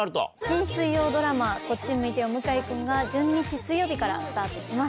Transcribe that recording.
新水曜ドラマ『こっち向いてよ向井くん』が１２日水曜日からスタートします。